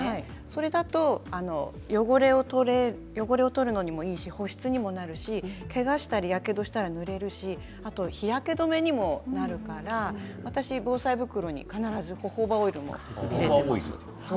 そうすると汚れを取るのにもいいし保湿にもなるしけがしたり、やけどをしたら塗れるし日焼け止めにもなるから私は防災袋に必ずホホバオイルも入れています。